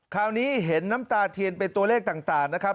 คราวนี้เห็นน้ำตาเทียนเป็นตัวเลขต่างนะครับ